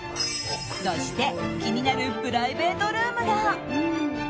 そして気になるプライベートルームが。